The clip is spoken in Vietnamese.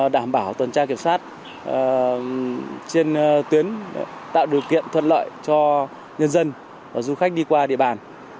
đảm bảo tuần tra kiểm soát trên tuyến tạo điều kiện thuận lợi cho nhân dân và du khách đi qua địa bàn